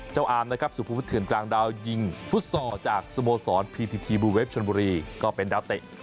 อาร์มนะครับสุภวุฒเถื่อนกลางดาวยิงฟุตซอลจากสโมสรพีทีทีบลูเวฟชนบุรีก็เป็นดาวเตะ